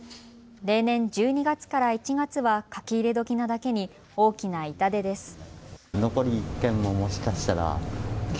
例年１２月から１月は書き入れ時なだけに大きな痛手です。